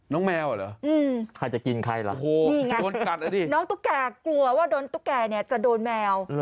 แมวเหรอใครจะกินใครล่ะนี่ไงน้องตุ๊กแก่กลัวว่าโดนตุ๊กแก่เนี่ยจะโดนแมว